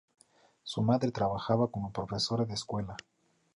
Su madre trabajaba como profesora de escuela.